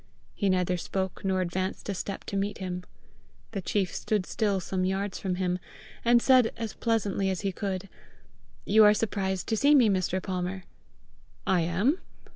He neither spoke nor advanced a step to meet him. The chief stood still some yards from him, and said as pleasantly as he could, "You are surprised to see me, Mr. Palmer!" "I am."